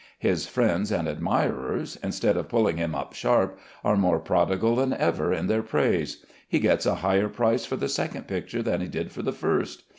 His friends and admirers, instead of pulling him up sharp, are more prodigal than ever in their praise. He gets a higher price for the second picture than he did for the first.